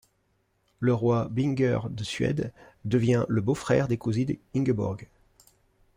Le roi Birger de Suède devient le beau-frère des cousines Ingeborg.